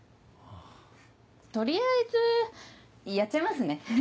取りあえずやっちゃいますね。